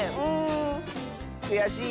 くやしい？